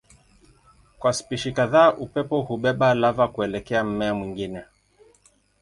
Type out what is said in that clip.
Kwa spishi kadhaa upepo hubeba lava kuelekea mmea mwingine.